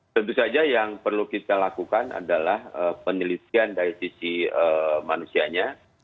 tentu saja yang perlu kita lakukan adalah penelitian dari sisi manusianya